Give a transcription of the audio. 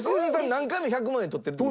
何回も１００万円取ってる。